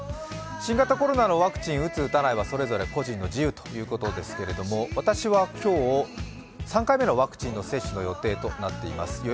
新型コロナのワクチンを打つ、打たないはそれぞれ個人の自由ということですけれども、私は今日、３回目のワクチン接種の予定となっています。